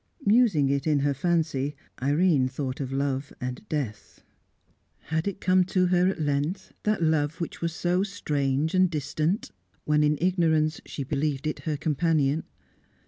Musing it in her fancy, Irene thought of love and death. Had it come to her at length, that love which was so strange and distant when, in ignorance, she believed it her companion?